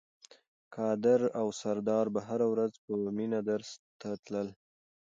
قادر او سردار به هره ورځ په مینه درس ته تلل.